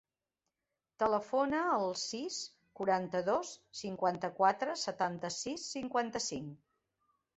Telefona al sis, quaranta-dos, cinquanta-quatre, setanta-sis, cinquanta-cinc.